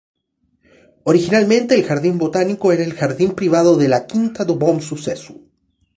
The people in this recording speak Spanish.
Originalmente el jardín botánico era el jardín privado de la "Quinta do Bom Sucesso".